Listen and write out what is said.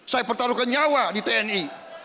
saya pertaruhkan nyawa di tni